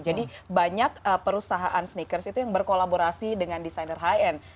jadi banyak perusahaan sneakers itu yang berkolaborasi dengan desainer high end